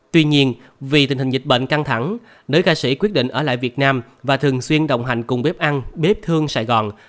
tuy nhiên vì tình hình dịch bệnh căng thẳng nới ca sĩ quyết định ở lại việt nam và thường xuyên đồng hành cùng bếp ăn bếp thương sài gòn